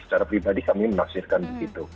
secara pribadi kami menafsirkan begitu